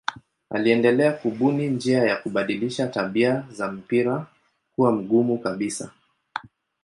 Aliendelea kubuni njia ya kubadilisha tabia za mpira kuwa mgumu kabisa.